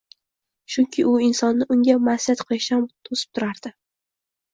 chunki u insonni Unga ma’siyat qilishdan to‘sib turadi